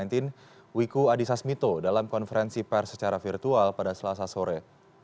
wiku adhisa smito dalam konferensi pers secara virtual pada selasa sore